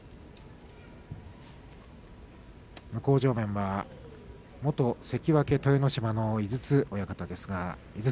向正面は元関脇豊ノ島の井筒親方です。